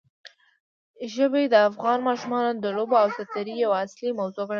ژبې د افغان ماشومانو د لوبو او ساتېرۍ یوه اصلي موضوع ګڼل کېږي.